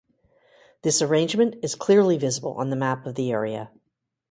This arrangement is clearly visible on the map of the area.